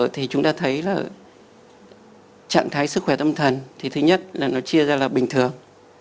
thì chúng ta thấy là trạng thái sức khỏe tâm thần thì thứ nhất là nó chia ra là bình thường